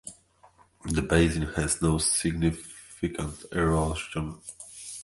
The basin has no significant erosion.